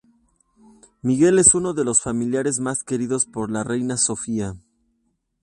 Miguel es uno de los familiares más queridos por la Reina Sofía.